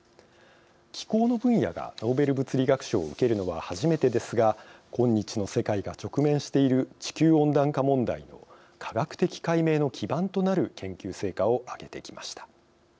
気候の分野がノーベル物理学賞を受けるのは初めてですが今日の世界が直面している地球温暖化問題の科学的解明の基盤となる研究成果を挙げてきました。